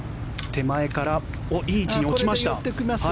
手前からいい位置に落ちました。